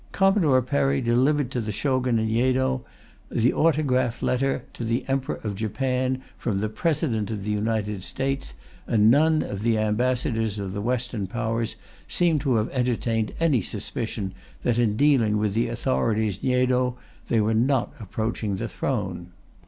Commodore Perry delivered to the Shogun in Yedo the autograph letter to the Emperor of Japan, from the President of the United States, and none of the Ambassadors of the Western Powers seem to have entertained any suspicion that in dealing with the authorities in Yedo they were not approaching the throne.